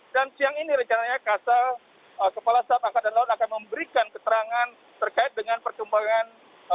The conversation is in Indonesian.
dan siang ini rencananya kasel kepala saat angkat dan laut akan memberikan keterangan terkait dengan perkembangan